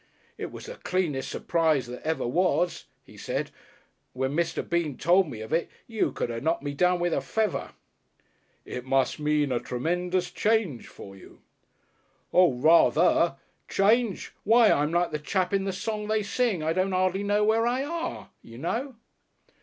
"It was the cleanest surprise that ever was," he said. "When Mr. Bean told me of it you could have knocked me down with a feather." "It must mean a tremendous change for you." "Oo. Rather. Change. Why, I'm like the chap in the song they sing, I don't 'ardly know where I are. You know."